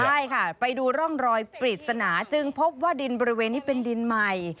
ใช่ค่ะไปดูร่องรอยปริศนาจึงพบว่าดินบริเวณนี้เป็นดินใหม่